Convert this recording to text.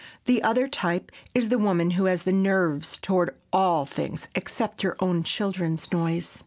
The other type is the woman who has nerves toward all things except her own children's noise.